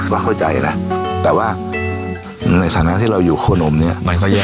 ว่าเข้าใจนะแต่ว่าในสถานะที่เราอยู่ข้อนมเนี่ย